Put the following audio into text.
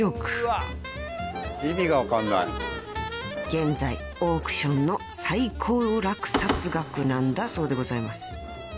［現在オークションの最高落札額なんだそうでございます］